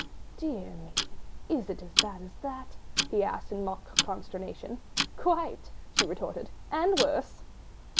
"Dear me! is it as bad as that?" he asked, in mock consternation. "Quite," she retorted, "and worse."